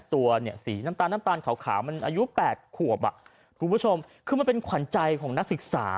ตัวเนี่ยสีน้ำตาลน้ำตาลขาวมันอายุ๘ขวบอ่ะคุณผู้ชมคือมันเป็นขวัญใจของนักศึกษา